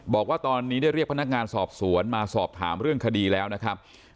บอกว่าตอนนี้ได้เรียกพนักงานสอบสวนมาสอบถามเรื่องคดีแล้วนะครับ